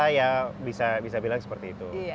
ya bisa bilang seperti itu